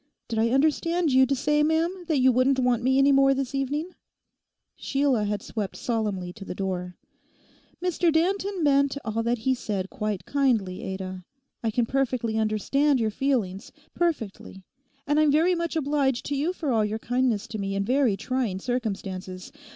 Did I understand you to say, ma'am, that you wouldn't want me any more this evening?' Sheila had swept solemnly to the door. 'Mr Danton meant all that he said quite kindly, Ada. I can perfectly understand your feelings—perfectly. And I'm very much obliged to you for all your kindness to me in very trying circumstances.